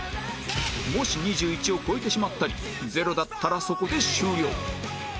もし２１を超えてしまったり０だったらそこで終了